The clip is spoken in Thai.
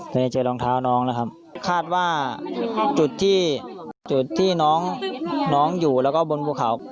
ตอนนี้เจอรองเท้าน้องแล้วครับคาดว่าจุดที่น้องอยู่แล้วก็บนภูเขา